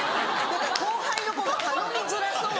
だから後輩の子が頼みづらそう。